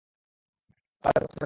ক্লাবের মধ্যেকার ক্লাব।